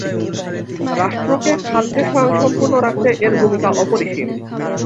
রাষ্ট্রকে খাদ্যে স্বয়ংসম্পূর্ণ রাখতে এর ভূমিকা অপরিসীম।